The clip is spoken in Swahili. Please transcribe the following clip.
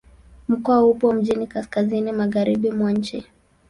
Mkoa upo mjini kaskazini-magharibi mwa nchi.